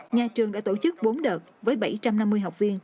nhà trường đã tổ chức bốn đợt với bảy trăm năm mươi học viên